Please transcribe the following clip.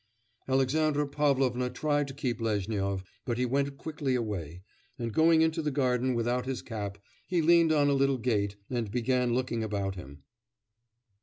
Alexandra Pavlovna tried to keep Lezhnyov, but he went quickly away, and going into the garden without his cap, he leaned on a little gate and began looking about him.